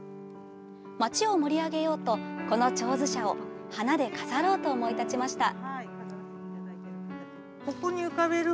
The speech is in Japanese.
町を盛り上げようとこの手水舎を花で飾ろうと思い立ちました。